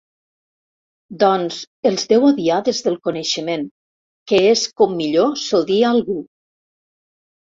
Doncs els deu odiar des del coneixement, que és com millor s'odia algú.